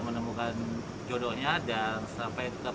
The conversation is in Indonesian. menemukan jodohnya dan sampai tetap